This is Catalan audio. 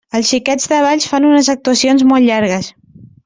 Els Xiquets de Valls fan unes actuacions molt llargues.